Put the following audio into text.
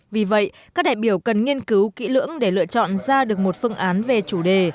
vì vậy các đại biểu cần nghiên cứu kỹ lưỡng để lựa chọn ra được một phương án về chủ đề